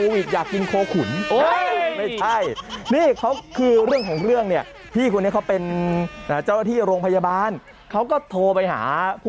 วันนี้อุณหภูมิของห้องเกศูกราศเป็นอย่างไรบ้างนะครับ